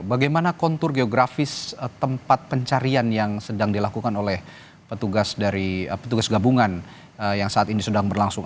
bagaimana kontur geografis tempat pencarian yang sedang dilakukan oleh petugas dari petugas gabungan yang saat ini sedang berlangsung